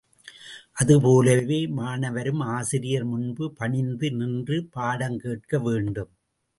அது போலவே மாணவரும் ஆசிரியர் முன்பு பணிந்து நின்று பாடங்கேட்க வேண்டும்.